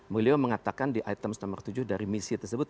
mulyo mengatakan di item nomor tujuh dari misi tersebut